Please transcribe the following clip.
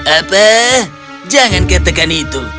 apa jangan katakan itu